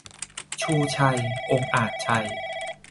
ชูชัย องอาจชัย